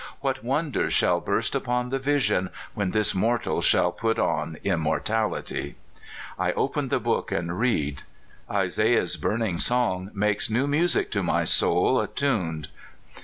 What won ders shall burst upon the vision when this mortal shall put on immortality? I open the Book and read. Isaiah's burning song makes new music to my soul attuned.